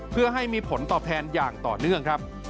เพื่อให้มีผลตอบแทนอย่างต่อเนื่องครับ